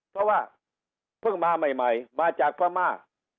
เพราะว่าเพิ่งมาใหม่มาจากพม่า